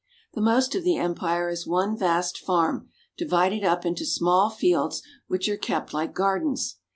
The most of the empire is one vast farm divided up into small fields which are kept like gardens.